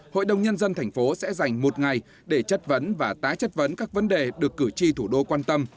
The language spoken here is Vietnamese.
hội đồng nhân dân thành phố sẽ dành một ngày để chất vấn và tái chất vấn các vấn đề được cử tri thủ đô quan tâm